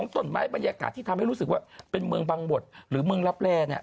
ที่ทำให้รู้สึกว่าเป็นเมืองบังบดหรือเมืองรับแรงเนี้ย